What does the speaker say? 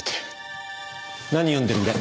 何読んでるんだ？